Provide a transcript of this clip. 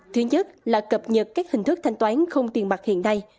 thứ nhất là cập nhật các hình thức thanh toán không tiền mặt hiện nay